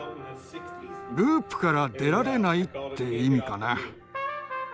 ループから出られないって意味かな。